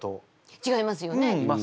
違いますよね？